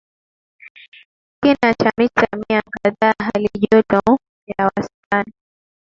kina cha mita mia kadhaa Halijoto ya wastani ya